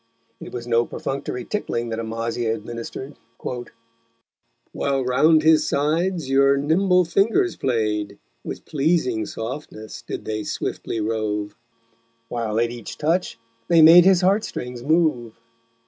It was no perfunctory tickling that Amasia administered: _While round his sides your nimble Fingers played, With pleasing softness did they swiftly rove, While, at each touch, they made his Heart strings move.